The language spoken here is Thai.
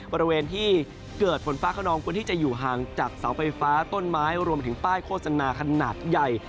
บริเวณที่เกิดฝนฟ้าขนองควรที่จะอยู่ห่างจากเสาไฟฟ้าต้นไม้รวมถึงป้ายโฆษณาขนาดใหญ่